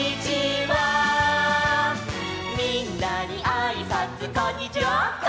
「あーぷんにあいさつ」「こんにちは」